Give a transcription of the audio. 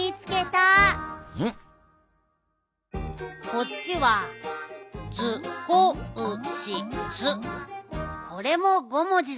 こっちはこれも５もじだ。